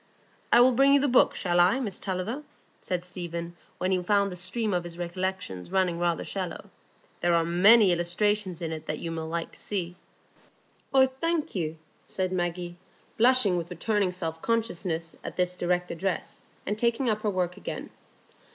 "I will bring you the book, shall I, Miss Tulliver?" said Stephen, when he found the stream of his recollections running rather shallow. "There are many illustrations in it that you will like to see." "Oh, thank you," said Maggie, blushing with returning self consciousness at this direct address, and taking up her work again.